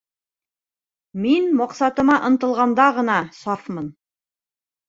Мин маҡсатыма ынтылғанда ғына сафмын.